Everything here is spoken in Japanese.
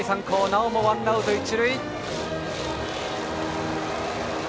なおもワンアウト、一塁。